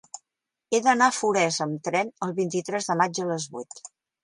He d'anar a Forès amb tren el vint-i-tres de maig a les vuit.